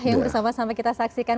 yang bersama sama kita saksikan